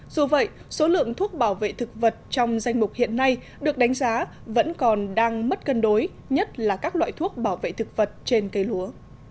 dù vậy số lượng thuốc bảo vệ thực vật trong danh mục hiện nay được đánh giá vẫn còn đang mất cân đối nhất là các loại thuốc bảo vệ thực vật trên cây lúa